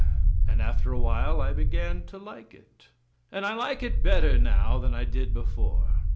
And after a while I began to like it, and I like it better now than I did before.